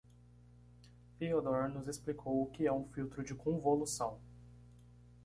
Theodore nos explicou o que é um filtro de convolução.